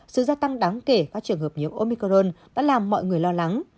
sự gia tăng đáng kể các trường hợp nhiễm omicron đã làm mọi người lo lắng